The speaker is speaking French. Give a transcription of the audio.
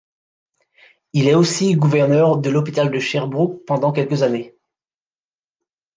Il est aussi gouverneur de l'Hôpital de Sherbrooke pendant quelques années.